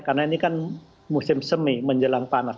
karena ini kan musim semi menjelang panas